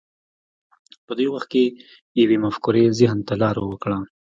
په دې وخت کې یوې مفکورې ذهن ته لار وکړه